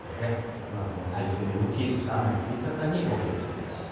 このあとの台風の動き、雨の降り方にお気をつけください。